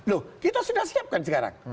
loh kita sudah siapkan sekarang